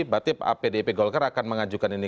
berarti pdip golkar akan mengajukan ini